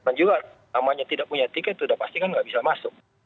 dan juga namanya tidak punya tiket sudah pasti kan nggak bisa masuk